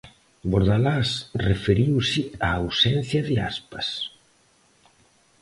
Bordalás referiuse á ausencia de Aspas.